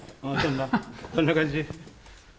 こんな感じ。